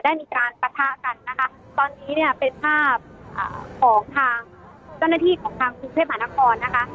ได้มีการปะทะกันนะคะตอนนี้เนี่ยเป็นภาพของทางเจ้าหน้าที่ของทางกรุงเทพมหานครนะคะ